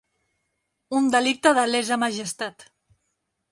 Un delicte de lesa majestat.